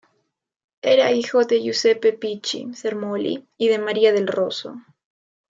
Era hijo de Giuseppe Pichi-Sermolli y de Maria Del Rosso.